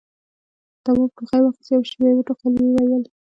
تواب ټوخي واخيست، يوه شېبه يې وټوخل، ويې ويل: